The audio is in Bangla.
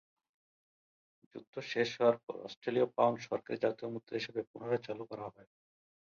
যুদ্ধ শেষ হওয়ার পর অস্ট্রেলীয় পাউন্ড সরকারী জাতীয় মুদ্রা হিসেবে পুনরায় চালু করা হয়।